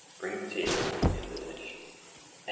Bring to table in the dish. =Perch.